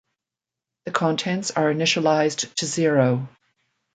The contents are initialized to zero.